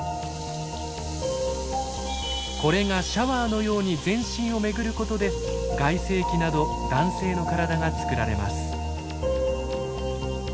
これがシャワーのように全身を巡ることで外性器など男性の体が作られます。